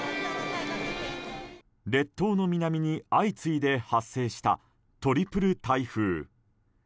列島の南に相次いで発生したトリプル台風。